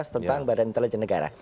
tentang badan intelijen negara